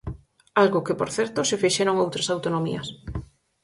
Algo que, por certo, si fixeron outras autonomías.